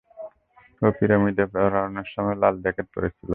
ও পিরামিডে আরোহণের সময় লাল জ্যাকেট পরেছিল।